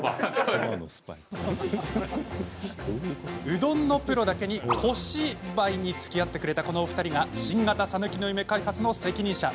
うどんのプロだけにコシばいにつきあってくれたこのお二人が新型さぬきの夢開発の責任者。